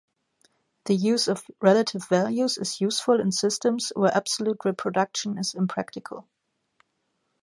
The use of relative values is useful in systems where absolute reproduction is impractical.